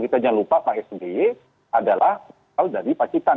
kita jangan lupa pak sbe adalah asal dari pacitan